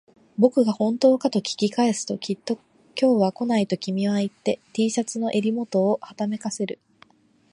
僕が本当かと聞き返すと、きっと今日は来ないと君は言って、Ｔ シャツの襟元をはためかせる